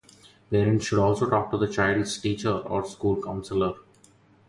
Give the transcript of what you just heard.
Parents should also talk to the child's teacher or school counselor.